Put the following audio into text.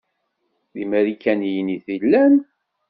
D imarikaniyen i tellam?